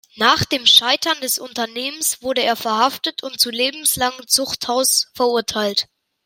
Nach dem Scheitern des Unternehmens wurde er verhaftet und zu lebenslangem Zuchthaus verurteilt.